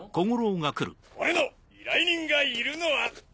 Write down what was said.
俺の依頼人がいるのは。